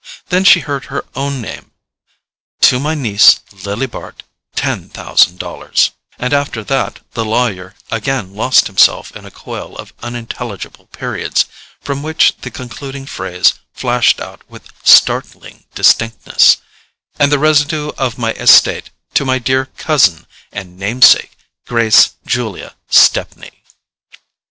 Then she heard her own name—"to my niece Lily Bart ten thousand dollars—" and after that the lawyer again lost himself in a coil of unintelligible periods, from which the concluding phrase flashed out with startling distinctness: "and the residue of my estate to my dear cousin and name sake, Grace Julia Stepney."